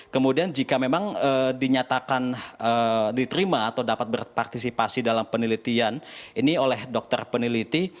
kemudian jika memang dinyatakan diterima atau dapat berpartisipasi dalam penelitian ini oleh dokter peneliti